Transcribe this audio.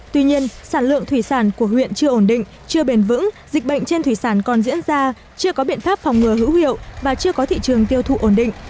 tuy nhiên sản lượng thủy sản của huyện chưa ổn định chưa bền vững dịch bệnh trên thủy sản còn diễn ra chưa có biện pháp phòng ngừa hữu hiệu và chưa có thị trường tiêu thụ ổn định